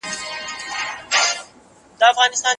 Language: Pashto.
که پوهه وي خفګان نه سته.